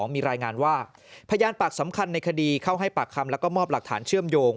มีรายงานว่าพยานปากสำคัญในคดีเข้าให้ปากคำแล้วก็มอบหลักฐานเชื่อมโยง